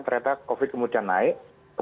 ternyata covid kemudian naik